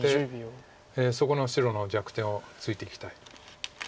そこの白の弱点をついていきたい。